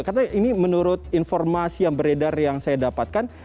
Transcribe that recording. karena ini menurut informasi yang beredar yang saya dapatkan